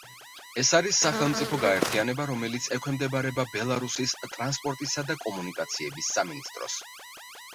ეს არის სახელმწიფო გაერთიანება, რომელიც ექვემდებარება ბელარუსის ტრანსპორტისა და კომუნიკაციების სამინისტროს.